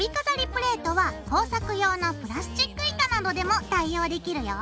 プレートは工作用のプラスチック板などでも代用できるよ。